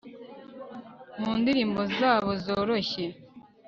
Mu ndirimbo zabo zoroshye